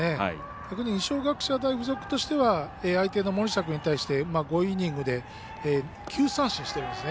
逆に、二松学舎大付属としては相手の森下君に対して５イニングで９三振してるんですね。